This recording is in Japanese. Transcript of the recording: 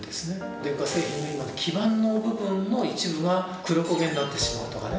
電化製品の基板の部分の一部が黒焦げになってしまうとかね。